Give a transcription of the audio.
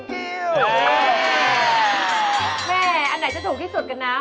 อันไหนจะถูกที่สุดกันนะ